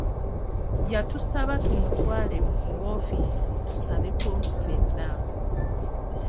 Yatusaba tumutwale mu woofiisi tusabeko ffenna.